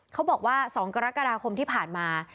บอกว่า๒กรกฎาคมที่ผ่านมา